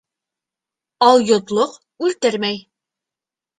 Алйотлоҡ үлтермәй.